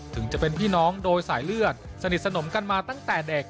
ถึงจะเป็นพี่น้องโดยสายเลือดสนิทสนมกันมาตั้งแต่เด็ก